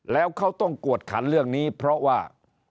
แล้วเขาต้องกวดขันเรื่องนี้เพราะว่า